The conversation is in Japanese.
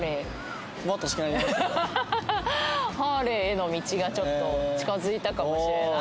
ハーレーへの道がちょっと近づいたかもしれない。